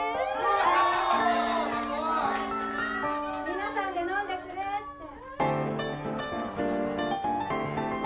皆さんで飲んでくれって。